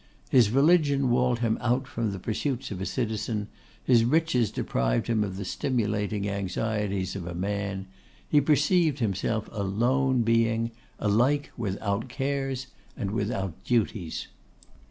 His religion walled him out from the pursuits of a citizen; his riches deprived him of the stimulating anxieties of a man. He perceived himself a lone being, alike without cares and without duties.